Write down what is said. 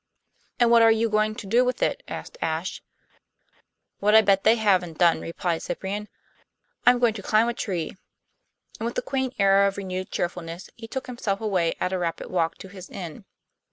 "And what are you going to do with it?" asked Ashe. "What I bet they haven't done," replied Cyprian. "I'm going to climb a tree." And with a quaint air of renewed cheerfulness he took himself away at a rapid walk to his inn.